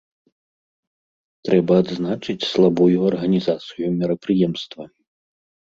Трэба адзначыць слабую арганізацыю мерапрыемства.